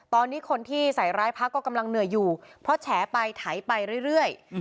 ตอนนี้คนที่ใส่ร้ายพักก็กำลังเหนื่อยอยู่เพราะแฉไปไถไปเรื่อย